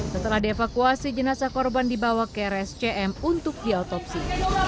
setelah dievakuasi jenazah korban dibawa ke rscm untuk diotopsi